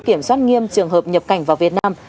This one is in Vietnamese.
kiểm soát nghiêm trường hợp nhập cảnh vào việt nam